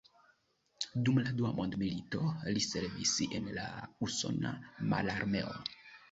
Dum la Dua Mondmilito li servis en la usona mararmeo.